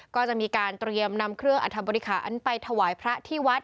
ก็จะมีการเตรียมนำเครื่องอธบริคารไปถวายพระที่วัด